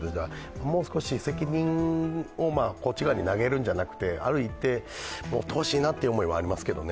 もう少し、責任をこっち側に投げるんじゃなくて、ある一定、言ってほしいなと思いますけどね。